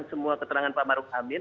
semua keterangan pak maruf amin